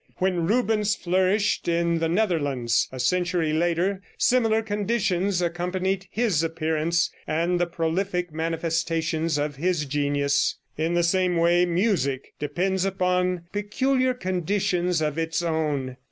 When Rubens flourished in the Netherlands, a century later, similar conditions accompanied his appearance and the prolific manifestations of his genius. In the same way, music depends upon peculiar conditions of its own.